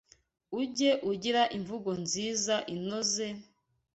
ujye ugira imvugo nziza inoze,